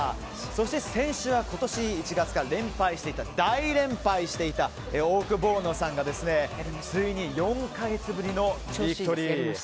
そして、先週は今年１月から大連敗していたオオクボーノさんがついに４か月ぶりのビクトリー。